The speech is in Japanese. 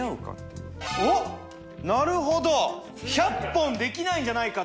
なるほど１００本できないんじゃないかと